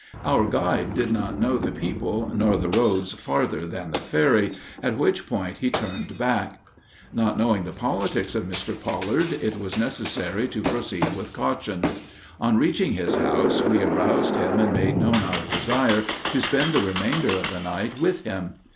Our guide did not know the people nor the roads farther than the ferry, at which point he turned back. Not knowing the politics of Mr. Pollard, it was necessary to proceed with caution. On reaching his house we aroused him and made known our desire to spend the remainder of the night with him.